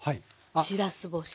しらす干し。